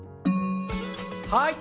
はい。